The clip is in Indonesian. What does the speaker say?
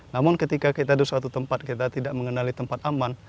namun ketika kita di suatu tempat kita tidak mengenali tempat aman